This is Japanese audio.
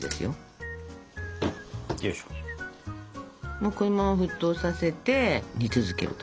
もうこのまま沸騰させて煮続けると。